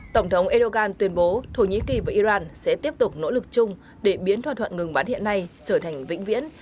tổng thống erdogan tuyên bố thổ nhĩ kỳ và iran sẽ tiếp tục nỗ lực chung để biến thỏa thuận ngừng bắn hiện nay trở thành vĩnh viễn